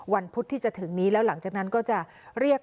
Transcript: พุธที่จะถึงนี้แล้วหลังจากนั้นก็จะเรียก